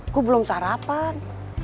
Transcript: gue belum sarapan